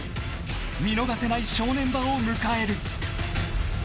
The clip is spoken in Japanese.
［見逃せない正念場を迎える］